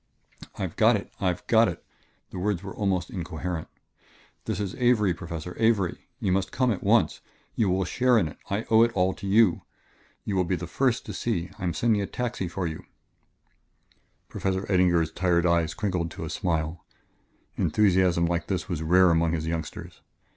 "I've got it I've got it!" The words were almost incoherent. "This is Avery, Professor Avery! You must come at once. You will share in it; I owe it all to you ... you will be the first to see ... I am sending a taxi for you " Professor Eddinger's tired eyes crinkled to a smile. Enthusiasm like this was rare among his youngsters.